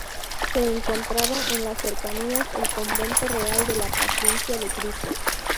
Se encontraba en las cercanías el Convento Real de la Paciencia de Cristo.